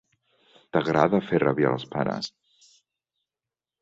T'agrada fer rabiar els pares.